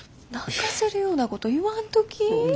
泣かせるようなこと言わんとき。